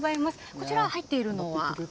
こちら入っているのは。